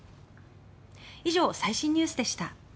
以上、最新ニュースでした。